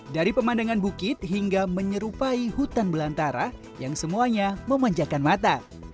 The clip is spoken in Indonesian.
dari pemandangan bukit hingga menyerupai hutan belantara yang semuanya memanjakan mata